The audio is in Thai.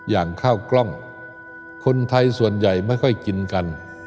อย่างข้าวกล้องคนไทยส่วนใหญ่ไม่ค่อยกินกัน